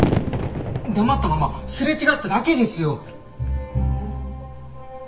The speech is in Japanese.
黙ったまますれ違っただけですよ！